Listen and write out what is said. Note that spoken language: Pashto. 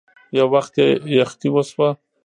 يو وخت يې يخنې وشوه.